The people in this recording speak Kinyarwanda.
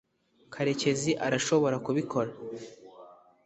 karekezi arashobora kubikora